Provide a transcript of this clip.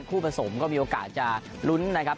ผสมก็มีโอกาสจะลุ้นนะครับ